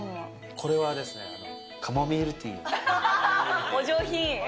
これはですね、カモミールテお上品。